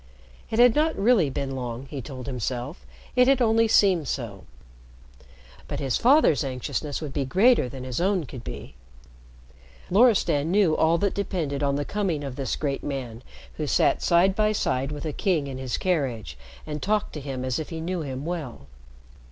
It had not really been long, he told himself, it had only seemed so. But his father's anxiousness would be greater than his own could be. Loristan knew all that depended on the coming of this great man who sat side by side with a king in his carriage and talked to him as if he knew him well.